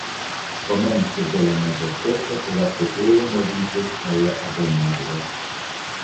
Komence de la Mezepoko la setlejo moviĝis al la ebenaĵo.